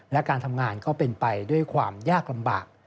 และการทำงานก็เป็นไปด้วยความยากลำบาก